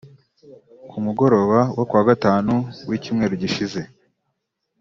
Ku mugoroba wo ku wa Gatanu w’icyumweru gishize